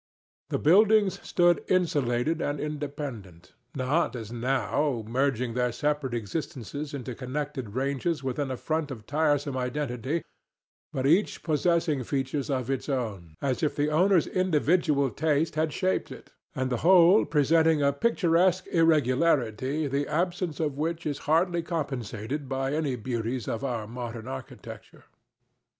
The buildings stood insulated and independent, not, as now, merging their separate existences into connected ranges with a front of tiresome identity, but each possessing features of its own, as if the owner's individual taste had shaped it, and the whole presenting a picturesque irregularity the absence of which is hardly compensated by any beauties of our modern architecture.